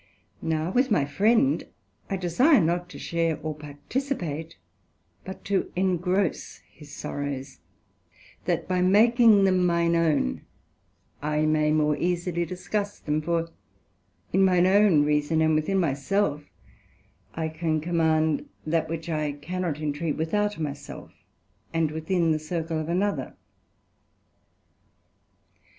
Now with my friend I desire not to share or participate, but to engross, his sorrows; that by making them mine own, I may more easily discuss them; for in mine own reason, and within my self, I can command that, which I cannot intreat without my self, and within the circle of another.